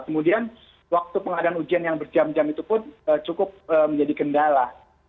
kemudian waktu pengadaan ujian yang berjam jam itu pun cukup menjadi kendala